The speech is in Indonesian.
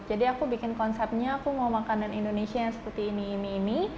jadi aku bikin konsepnya aku mau makanan indonesia yang seperti ini ini ini